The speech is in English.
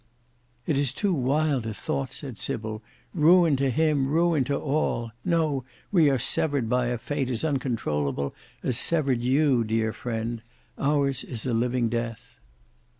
"It is too wild a thought," said Sybil, "ruin to him, ruin to all. No, we are severed by a fate as uncontrollable as severed you dear friend; ours is a living death."